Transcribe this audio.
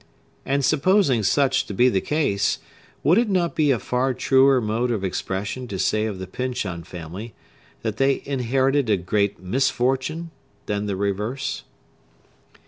And supposing such to be the case, would it not be a far truer mode of expression to say of the Pyncheon family, that they inherited a great misfortune, than the reverse?